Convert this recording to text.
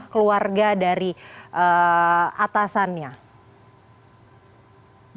keluarga dari atasannya